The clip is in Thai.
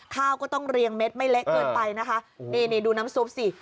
ข้าวก็ต้องเรียงเม็ดไม่เละเกินไปนะคะนี่นี่ดูน้ำซุปสิ